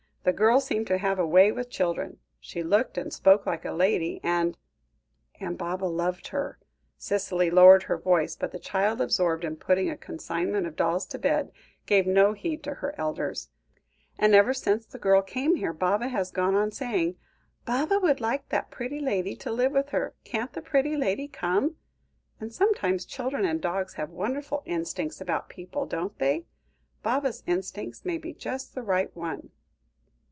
The girl seemed to have a way with children; she looked and spoke like a lady, and " "And Baba loved her"; Cicely lowered her voice, but the child, absorbed in putting a consignment of dolls to bed, gave no heed to her elders; "and ever since the girl came here, Baba has gone on saying: 'Baba would like that pretty lady to live with her; can't the pretty lady come?' And sometimes children and dogs have wonderful instincts about people, don't they? Baba's instinct may be just the right one."